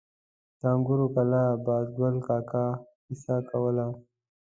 د انګورو کلا بازګل کاکا کیسه کوله.